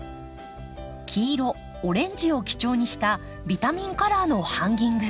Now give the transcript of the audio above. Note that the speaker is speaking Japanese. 黄色オレンジを基調にしたビタミンカラーのハンギング。